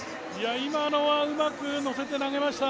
今のはうまく乗せて投げました。